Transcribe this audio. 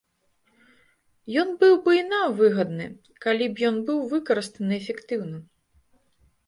Ён быў бы і нам выгадны, калі б ён быў выкарыстаны эфектыўна.